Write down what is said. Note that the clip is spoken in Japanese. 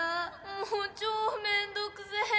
もう超めんどくせぇ！